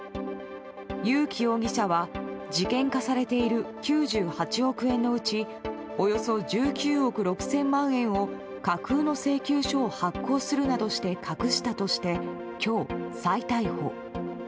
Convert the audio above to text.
友紀容疑者は事件化されている９８億円のうちおよそ１９億６０００万円を架空の請求書を発行するなどして隠したとして今日、再逮捕。